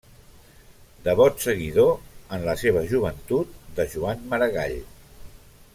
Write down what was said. Devot seguidor en la seva joventut de Joan Maragall.